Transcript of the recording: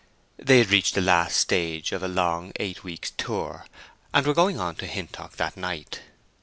They had reached the last stage of a long eight weeks' tour, and were going on to Hintock that night.